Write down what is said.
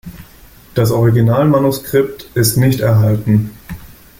Das Originalmanuskript ist nicht erhalten.